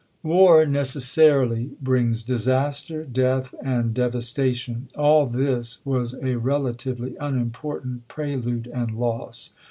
War necessarily brings disaster, death, and dev astation ; all this was a relatively unimportant pre lude and loss.